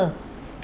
kính mời quý vị